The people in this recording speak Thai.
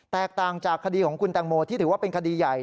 ต่างจากคดีของคุณแตงโมที่ถือว่าเป็นคดีใหญ่